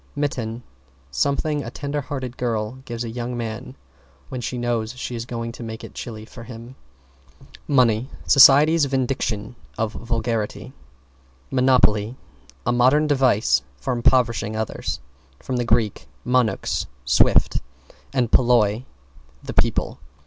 =MITTEN= Something a tender hearted girl gives a young man when she knows she is going to make it chilly for him. =MONEY= Society's vindication of vulgarity. =MONOPOLY= A modern device for impoverishing others. From Grk. monux, swift footed, and polloi, the people.